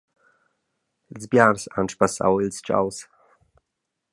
Ils biars han sbassau ils tgaus.